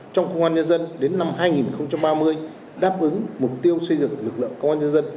trong công an nhân dân đến năm hai nghìn ba mươi đáp ứng mục tiêu xây dựng lực lượng công an nhân dân